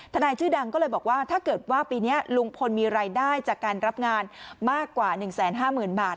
นายชื่อดังก็เลยบอกว่าถ้าเกิดว่าปีนี้ลุงพลมีรายได้จากการรับงานมากกว่า๑๕๐๐๐บาท